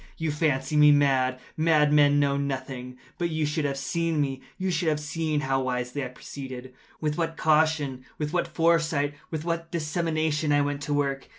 You fancy me mad. Madmen know nothing. But you should have seen me. You should have seen how wisely I proceeded—with what caution—with what foresight—with what dissimulation I went to work!